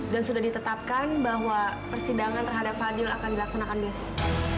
dan sudah ditetapkan bahwa persidangan terhadap fadhil akan dilaksanakan besok